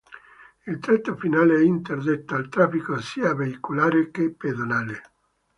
Il tratto finale è interdetto al traffico sia veicolare che pedonale.